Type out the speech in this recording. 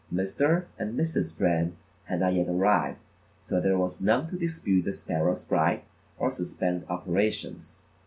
Mr. and Mrs. Wren had not yet arrived, so there was none to dispute the sparrows' right or suspend operations.